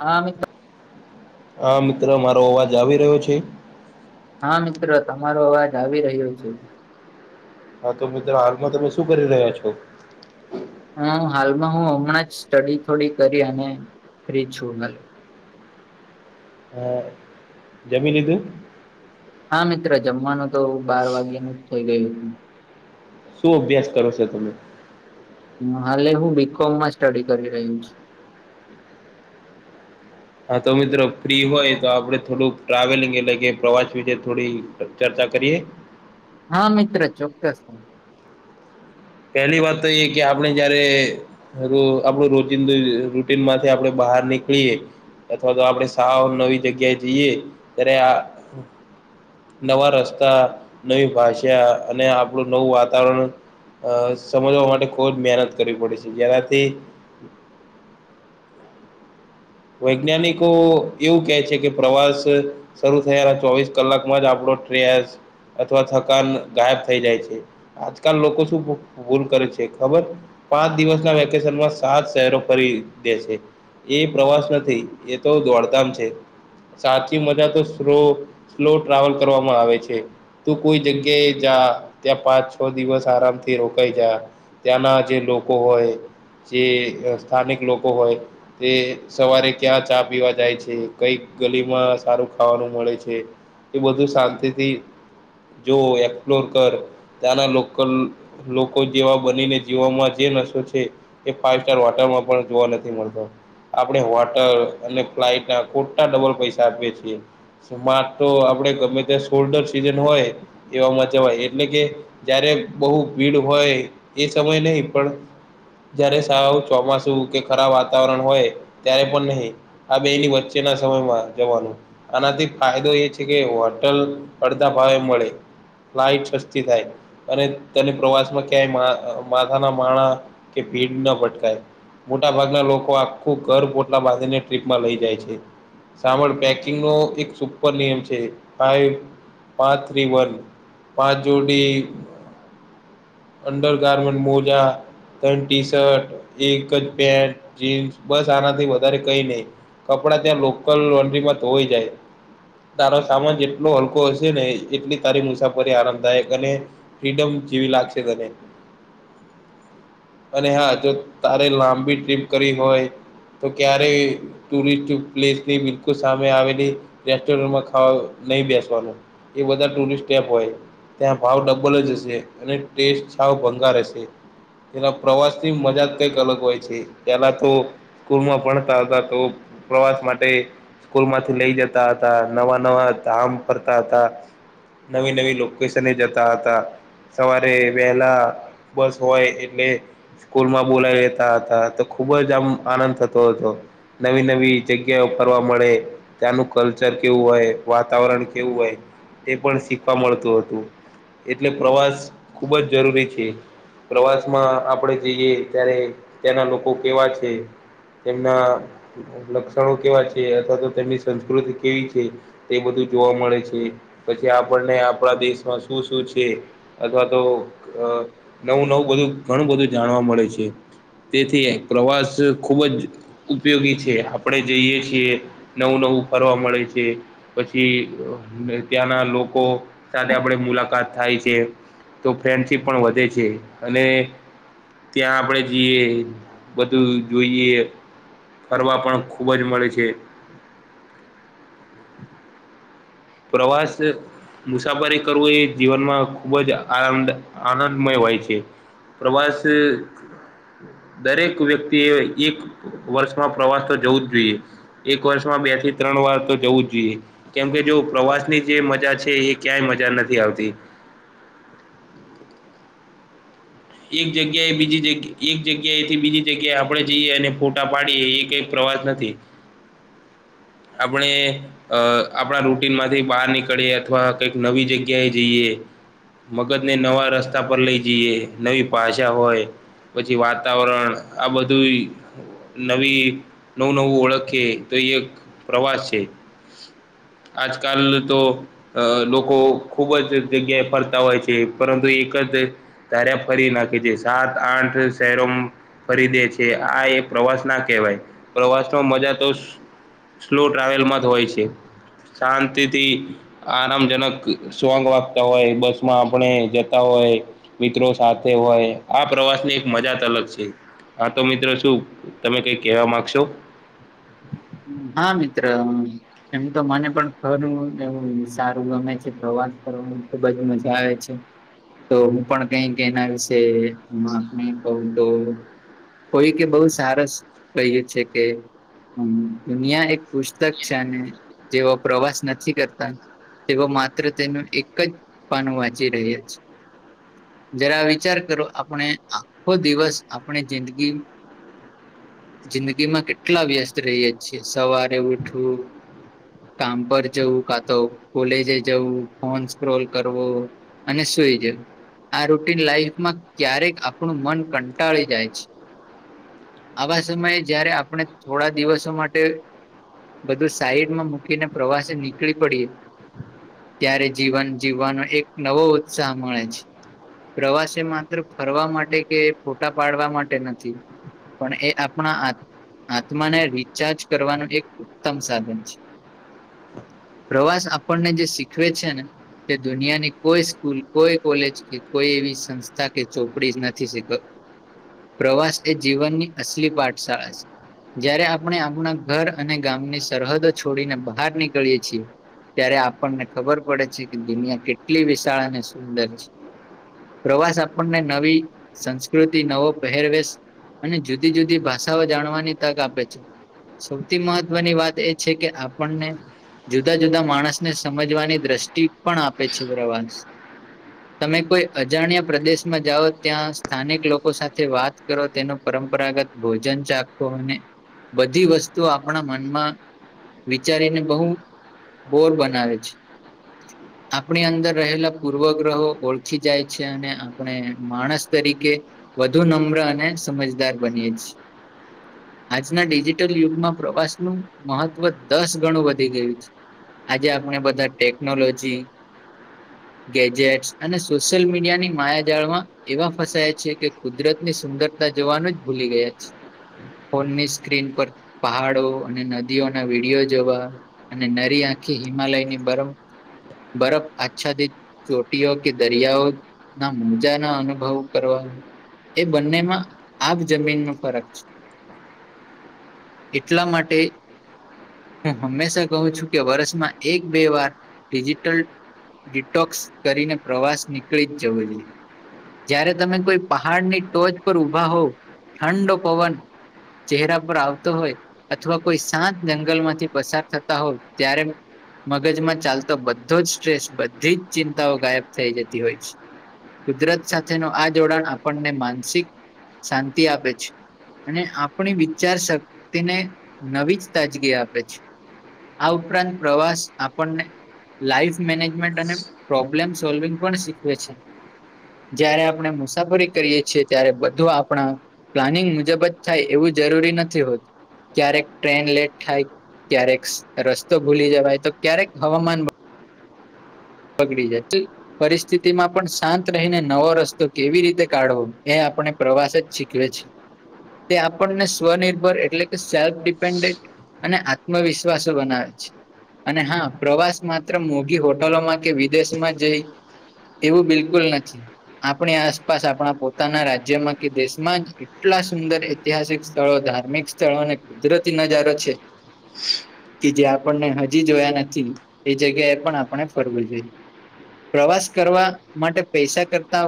હા મિત્ર હા મિત્ર મારો અવાજ આવી રહ્યો છે? હા, મિત્ર તમારો અવાજ આવી રહ્યો છે. હા, તો મિત્રો હાલમાં તમે શું કરી રહ્યા છો? હું હાલમાં હું હમણાં જ સ્ટડી થોડી કરી અને ફ્રી છું. હમ્મ, જમી લીધું? હા, મિત્ર જમવાનું તો બાર વાગ્યાનું જ થઈ ગયું હતું. શું અભ્યાસ કરો છો તમે? મહાલે હું બીકોમમાં સ્ટડી કરી રહ્યો છું. હા, તો મિત્ર ફ્રી હોય તો આપણે થોડુંક ટ્રાવેલિંગ એટલે કે પ્રવાસ વિશેે થોડી ચર્ચા કરીએ? હા, મિત્ર ચોક્કસથી. પહેલી વાત તો એ કે આપણે જયારે... રો આપડું રોજિંદુ રૂટીનમાંથી આપડે બહાર નીકળીએે અથવા તો આપડે સાવ નવી જગ્યાએ જઈએ, ત્યારે આ... નવા રસ્તા, નવી ભાષા, અને આપણું નવું વાતાવરણ અ સમજવા માટે ખૂબ જ મહેનત કરવી પડે છે, જેનાથી... વૈજ્ઞાનિકો એવું કે છે કે પ્રવાસ શરૂ થયાના ચોવીસ કલાકમાં જ આપણો ટ્રેસ અથવા થકાન ગાયબ થઈ જાય છે. આજકાલ લોકો શું ભૂલ કરે છે, ખબર? પાંચ દિવસના વેકેશનમાં સાત શહેરો ફરી દેશે એ પ્રવાસ નથી એ તો દોડધામ છે. સાચી મજા તો સ્લો સ્લો ટ્રાવેલ કરવામાં આવે છે. તું કોઈ જગ્યાએ જા, ત્યાં પાંચ છ દિવસ આરામથી રોકાઈ જા ત્યાંના જે લોકો હોય, જે સ્થાનિક લોકો હોય, તે સવારે ક્યાં ચા પીવા જાય છે, કઈ ગલીમાં સારું ખાવાનું મળે છે. એ બધું શાંતિથી જોઓ, એક્સપ્લોર કર ત્યાંના લોકલ લોકો જેવા બનીને જીવવામાં જે નશો છે, એ ફાયસ્ટાર હોટલમાં પણ જોવા નથી મળતો. આપડે હોટલ અને ફ્લાઇટના ખોટા ડબલ પૈસા આપીએ છીએ. સ્માર્ટ તો આપડે ગમે ત્યાં સોલ્ડર સીઝન હોય, એવામાં જવાય એટલે કે જયારે બહુ ભીડ હોય, એ સમય નહીં પણ જયારે સાવ ચોમાસું કે ખરાબ વાતાવરણ હોય ત્યારે પણ નહીં, આ બેની વચ્ચેના સમયમાં જવાનું. આનાથી ફાયદો એ છે કે હોટલ અડધા ભાવે મળે. ફ્લાઇટ સસ્તી થાય. અને તને પ્રવાસમાં ક્યાંય માથાના માનહ કે ભીડ ન ભટકાય. મોટા ભાગના લોકો આખું ઘર પોટલા બાંધીને ટ્રિપમાં લઈ જાય છે. સંભાળ પેકિંગ નો એક સુપર નિયમ છે, ફાઈવ પા થ્રી વન. પાંચ જોડી અંડર ગારમેન્ટ મોજા. ત ટી શર્ટ એક જ પેન્ટ જીન્સ. બસ આનાથી વધારે કઈ નહી, કપડાં ત્યાં લોકલ લોડ્રીમાં ધોવાઈ જાય. તારો સામાન જેટલો હલકો હશે ને એટલી તારી મુસાફરી આરામદાયક અને ફ્રીડમ જેવી લાગશે તને. અને હા જો તારે લાંબી ટ્રીપ કરિ હોય. તો ક્યારે. ટુરિસ્ટ પ્લેસની બિલકુલ સામે આવેલી રેસ્ટોરન્ટમાં ખાવા નહી બેસવાનું. એ બધા ટુરિસ્ટ એપ હોય. ત્યાં ભાવ ડબલ જ હશે અને ટેસ્ટ છાવ ભંગાર હશે. એના પ્રવાસની મજા જ કંઈક અલગ હોય છે, પેલા તો. સ્કૂલમાં ભણતા હતા તો પ્રવાસ માટે. સ્કૂલ માંથી લઈ જતા હતા નવા નવા ધામ ફરતા હતા. નવી નવી લોકેશને જતા હતા. સવારે વહેલા બસ હોય એટલે, સ્કૂલમાં બોલાવી લેતા હતા તો ખુબ જ આમ આનંદ થતો હતો નવી નવી. જગ્યાઓ ફરવા મળે ત્યાંનું કલ્ચર કેવું હોય? વાતાવરણ કેવું હોય? એ પણ શીખવા મળતું હતું એટલે પ્રવાસ ખૂબ જ જરૂરી છે. પ્રવાસ માં આપણેે જઈએ ત્યારે ત્યાંના લોકો કેવા છે. તેમના લક્ષણો કેવા છે અથવા તો તેમની સંસ્કૃતિ કેવી છે. તે બધું જોવા મળે છે. પછી આપણને આપણા દેશમાં શું શું છે? અથવા તો અ નવું નવું બધું ઘણું બધું જાણવા મળે છે. તેથી એક પ્રવાસ ખૂબ જ ઉપયોગી છે. આપણે જઈએ છીએ નવું નવું ફરવા મળે છે. પછી ત્યાંના લોકો સાથે આપણે મુલાકાત. થાય છે તો ફ્રેન્ડશીપ પણ વધે છે અને, ત્યાં આપણે જઈએ બધું. જોઈએ ફરવા પણ ખૂબ જ મળે છે. પ્રવાસ મુસાફરી કરવું એ જીવનમાં ખુબ જ આરામદા આનંદમય હોય છે પ્રવાસ. દરેક વ્યક્તિ એ એક વર્ષમાં પ્રવાસ તો જવું જ જોઈએ. એક વર્ષમાં બે થી ત્રણ વાર તો જવું જ જોઈએ કેમકે જો. પ્રવાસની જે મજા છે એ ક્યાંય મજા નથી આવતી. એક જગ્યાએ બીજી જગ્યા એક જગ્યાએથી બીજી જગ્યાએ આપણે જઈએ અને ફોટા પાડીએ એ પ્રવાસ નથી. આપણે. અ આપણા રૂટીનમાંથી બહાર નીકળીએ અથવા કંઈક નવી જગ્યાએ જઈએ. મગજને નવા રસ્તા પર લઈ જઈએ, નવી ભાષા હોય. પછી વાતાવરણ આ બધુંય. નવી નવું નવું ઓળખે તો એ એક પ્રવાસ છે. આજ કાલ તો અ લોકો ખુબ જ જગ્યાએ ફરતા હોય છે પરંતુ એક જ, [unintelligible] ફરી નાખી છે સાત આઠ શહેરો. ખરીદે છે, આ એ પ્રવાસ ના કહેવાય પ્રવાસ નો મજા તો. સ્લો ટ્રાવેલમાં હોય છે, શાંતિથી આરામજનક સોંગ વાગતા હોય, બસ માં આપણે જતા હોય. મિત્રો સાથે હોય, આ પ્રવાસ ની એક મજા જ અલગ છે. હા તો મિત્ર, શું તમે કઈ કહેવા માંગશો? હા, મિત્ર. એમ તો મને પણ ખરું એવું સારું ગમે છે પ્રવાસ કરવાની ખુબજ મજા આવે છે. તો હું પણ કઈક એના વિશે [unintelligible] કવ તો કોઈ કે બઉ સારસ કહ્યું છે કે હમ્મ, દુનિયા એક પુસ્તક છે અને જેઓ પ્રવાસ નથી કરતા તેવો માત્ર તેનું એક જ પાનું વાંચી રહ્યાં છે. જરા વિચાર કરો આપણે આખો દિવસ આપણી જિંદગી જિંદગીમાં કેટલા વ્યસ્ત રહીએ છીએ, સવારે ઉઠવું કામ પર જવું, કાતો કોલેજે જવું, ફોન સ્ક્રોલ કરવો. અને સુઈ જવું. આ રૂટીન લાઈફમાં ક્યારેક આપણું મન કંટાળી જાય છે. આવા સમયે જયારે આપણે થોડા દિવસો માટે, બધું સાઈડમાં મૂકીને પ્રવાસે નીકળી પડીએ ત્યારે જીવન જીવવાનો એક નવો ઉત્સાહ મળે છે. પ્રવાસે એ માત્ર ફરવા માટે કે ફોટા પાડવા માટે નથી. પણ એ આપણા- આત્મા ને રિચાર્જ કરવાનું એક ઉત્તમ સાધન છે. પ્રવાસ આપણને જે શીખવે છે ને- તે દુનિયાની કોઈ સ્કૂલ, કોઈ કોલેજ કે કોઈ એવી સંસ્થા કે ચોપડી નથી શીખવ- પ્રવાસ એ જીવનની અસલી પાઠશાળા છે. જયારે આપણે આપણા ઘર અને ગામની સરહદો છોડીને બહાર નીકળીએ છીએ. ત્યાંરે આપણને ખબર છે, કે દુનિયા કેટલી વિશાળ અને સુંદર છે. પ્રવાસ આપણને નવી સંસ્કૃતિ, નવો પહેરવેશ- અને જુદી જુદી ભાષાઓ જાણવાની તક આપે છે. સૌથી મહત્વની વાત એ છે, કે આપણને જુદા જુદા માણસને સમજવાની દૃષ્ટિ પણ આપે છે, પ્રવાસ. હ! તમે કોઈ અજાણ્યા પ્રદેશમાં જાઓ, ત્યાં સ્થાનિક લોકો સાથે વાત કરો, તેનો પરંપરાગત ભોજન ચાખ ખો અને બધી વસ્તુ આપણા મનમાં વિચારીને બહું બોર બનાવે છે. હ! આપણી અંદર રહેલા પૂર્વગ્રહો ઓળખી જાય છે અને આપણે માણસ તરીકે વધુ નમ્ર અને સમજદાર બનીએ છે. આજના ડિજિટલ યુગમાં પ્રવાસનું મહત્ત્વ દસ ગણું વધી ગયું છે. આજે આપણે બધા ટેકનોલોજી ગેજેટસ અને સોશિયલ મીડિયાની માયાજળમાં, એવા ફસાયા છે, કે કુદરતની સુંદરતા જોવાનું જ ભૂલી ગયા છે. ફોનની સ્ક્રીન પર પહાડો અને નદીઓના વિડીયો જોવા. અને નરી આંખી હિમાલયની બરમ બરફ આચ્છાદિત, ચોટીઓ કે દરિયાઓ, ના મુજા ના અનુભવ કરવા! એ બંનેમાં આગ જમીન નો ફરક છે. એટલા માટે, હું હંમેશા કહું છું, કે વર્ષમાં એક બે વાર ડિજિટલ ડિટોક્સ કરીને પ્રવાસ નીકળી જ જવો જોઈએ. જયારે તમે કોઈ પહાડની ટોચ પર ઉભા હોવ ઠંડો પવન! ચહેરા પર આવતો હોય અથવા કોઈ શાંત જંગલમાંથી પસાર થતા હોય ત્યારે, મગજમાં ચાલતો બધો જ સ્ટ્રેસ બધી જ ચિંતાઓ ગાયબ થઈ જતી હોય છે. કુદરત સાથે નો આ જોડાણ આપણને માનસિક શાંતિ આપે છે. અને આપણી વિચાર શક્તિને નવી જ તાજગી આપે છે. આ ઉપરાંત પ્રવેસ આપણને લાઈફ મેનેજમેન્ટ અને પ્રોબ્લેમ સોલ્વિગ પણ શીખવે છે. જયારે આપણે મુસાફરી કરીએ છીએ, ત્યારે બધું આપણા પ્લાનિંગ મુજબ જ થાય એવું જરૂરી નથી હોતુ. ક્યારેક ટ્રેન લેટ થાય, ક્યારેક રસ્તો ભૂલી જવાય, તો ક્યારેક હવામાન બગડી જાય છે. પરિસ્થિતિ માં પણ શાંત રહીને નવો રસ્તો કેવી રીતે કાઢવો એ આપણે પ્રવાસ જ શીખ વે છે તે આપણને સ્વનિર્ભર એટલે કે સેલ્ફ ડિપેન્ડેન્ટ અને આત્મવિશ્વાસો બનાવે છે અને હા પ્રવાસ માત્ર મોઘી હોટલોમાં જ કે વિદેશમાં જઈ, એવું બિલકુલ નથી. આપણી આસપાસ આપણા પોતાના રાજ્યમાં કે દેશમાં જ એટલા સુંદર ઐતિહાસિક સ્થળો, ધાર્મિક સ્થળો અને કુદરતી નજારો છે, તે કે જે આપણને હજી જોયા નથી એ જગ્યાએ પણ આપણે ફરવું જોઈએ. એ પ્રવાસ કરવા માટે પૈસા કરતા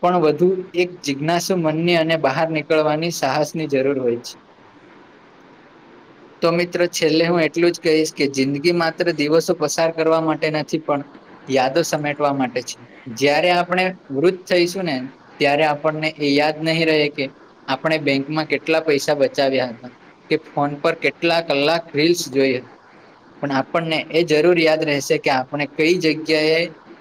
પણ વધુ એક જિજ્ઞાસુ મનની અને બહાર નીકળવાની સાહસ ની જરૂર હોય છે. તો મિત્રો છેલ્લે હું એટલું જ કહીશ કે જિંદગી માત્ર દિવસો પસાર કરવા માટે નથી પણ યાદો સમેટવા માટે છે. જયારે આપણે વૃદ્ધ થઈશું ને, ત્યારે આપણને એ યાદ નહી રહે કે આપણે બેંકમાં કેટલા પૈસા બચાવ્યા હતા? કે ફોન પર કેટલા કલાક રીલ્સ જોઈ પણ આપણને એ જરૂર યાદ રહેશે કે આપને કઈ જગ્યાએ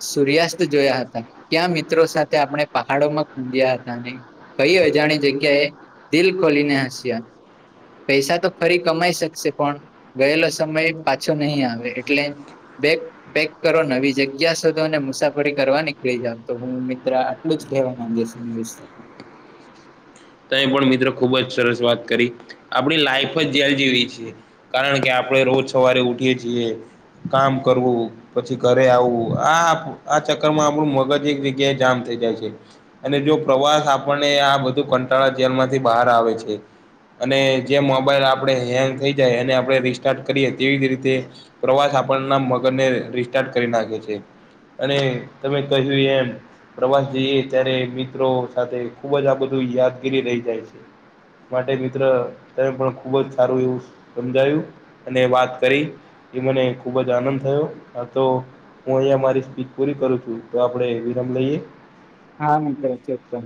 સૂર્યાસ્ત જોયા હતા, ક્યાં મિત્રો સાથે આપણે પહાડોમાં ગુમિયા હતા નહી કઈ અજાણી જગ્યાએ દિલ ખોલીને હસ્યા પૈસા તો ફરી કમાઈ શકશે પણ ગયેલો સમય પાછો નહી આવે એટલે બે પેક કરો નવી જગ્યા શોધો અને મુસાફરી કરવા નીકળી જાવ તો હું મિત્ર એટલું જ કહેવા માંગે છું એ વિ તે પણ મિત્રો ખુબ જ સરસ વાત કરી આપણી લાઈફ જ જેલ જેવી છીએ. કારણ કે આપડે રોજ સવારે ઉઠીએ છીએ, કામ કરવું પછી ઘરે આવવું આ આ ચક્કર માં આપણું મગજ એક જગ્યાએ જામ થઇ જાય છે. અને જો પ્રવાસ આપણને આ બધું કંટાળા જેલમાંથી બહાર આવે છે. અને જેમ મોબાઈલ આપણે હેંગ થઈ જાય એને આપણે રિસ્ટાર્ટ કરીએ તેવી જ રીતે પ્રવાસ આપણના મગજને રિસ્ટાર્ટ કરી નાખે છે. અને તમે કહ્યું એમ પ્રવાસ જઈએ ત્યારે મિત્રો સાથે ખુબ જ આ બધું યાદગીરી રહી જાય છે. માટે મિત્ર તમે પણ ખુબ જ સારું એવું સમજાયું અને વાત કરી એ મને ખુબ જ આનંદ થયો તો હું અહિયા મારી સ્પીચ પૂરી કરું છું તો આપડે વિરામ લઈએ હા મિત્ર ચોક્કસ